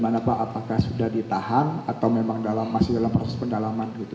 apakah sudah ditahan atau memang masih dalam proses pendalaman gitu